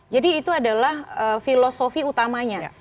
jadi itu adalah filosofi utamanya